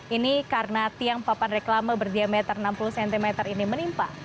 ini karena tiang papan reklama berdiameter enam puluh cm ini menimpa